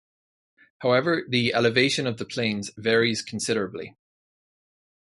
However, the elevation of the plains varies considerably.